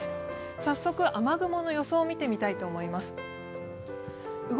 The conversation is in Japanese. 早速雨雲の予想を見てみたいと思います。